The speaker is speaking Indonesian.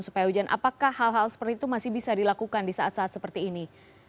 supaya hujan apakah hal hal seperti itu masih bisa dilakukan di saat saat seperti ini